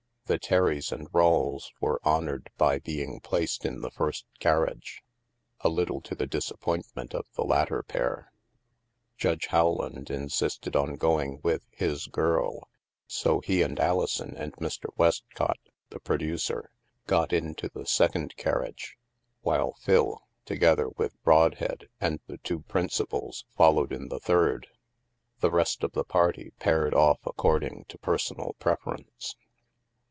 The Terrys and Rawles were honored by being placed in the first carriage — a little to the disap pointment of the latter pair. Judge Howland in sisted on going with "his girl," so he and Alison and Mr. Westcott (the producer) got into the sec ond carriage, while Phil, together with Brodhead and the two principals, followed in the third. The rest of the party paired off according to personal preference.